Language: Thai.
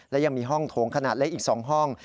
และยังมีห้องโถงขนาดเล็กอีก๒ห้อง